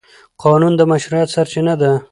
قانون د مشروعیت سرچینه ده.